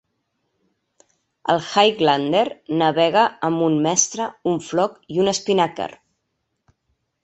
El "Highlander" navega amb un mestre, un floc i un espinàquer.